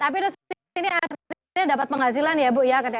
tapi terus ini artinya dapat penghasilan ya bu ya